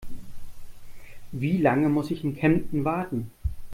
Wie lange muss ich in Kempten warten?